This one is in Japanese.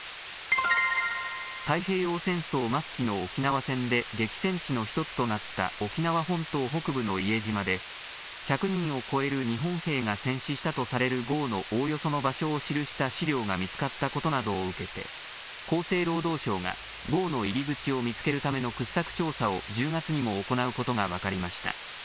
太平洋戦争末期の沖縄戦で激戦地の１つとなった沖縄本島北部の伊江島で、１００人を超える日本兵が戦死したとされるごうのおおよその場所を記した資料が見つかったことなどを受けて、厚生労働省がごうの入り口を見つけるための掘削調査を１０月にも行うことが分かりました。